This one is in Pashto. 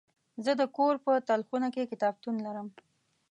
زه د کور په تلخونه کې کتابتون لرم.